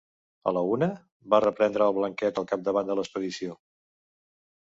A la una? —va reprendre el Blanquet, al capdavant de l'expedició.